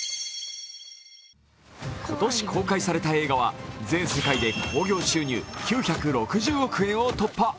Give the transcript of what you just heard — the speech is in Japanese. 今年公開された映画は全世界で興行収入９６０億円を突破。